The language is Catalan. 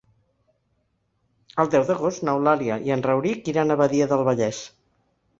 El deu d'agost n'Eulàlia i en Rauric iran a Badia del Vallès.